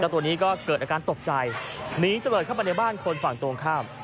ตัวนี้ก็เกิดอาการตกใจหนีเจริญเข้าไปในบ้านคนฝั่งตรงข้าม